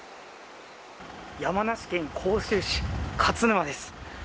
山梨県甲州市勝沼です。